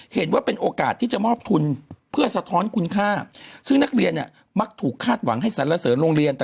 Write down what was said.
เห็นว่าเป็นโอกาสที่จะมอบทุนเพื่อสะท้อนคุณค่าซึ่งนักเรียนเนี่ยมักถูกคาดหวังให้สรรเสริญโรงเรียน